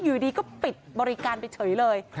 อยู่ดีก็ปิดบริการไปเฉยเลย